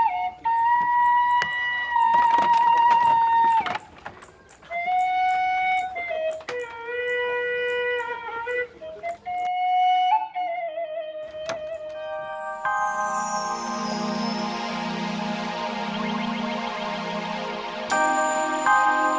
iya deh terserah kamu aja